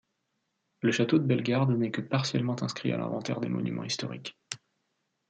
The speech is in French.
Le château de Bellegarde n'est que partiellement inscrit à l'inventaire des Monuments historiques.